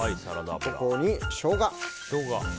ここにショウガ